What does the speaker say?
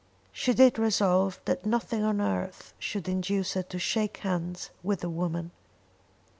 She did resolve that nothing on earth should induce her to shake hands with the woman.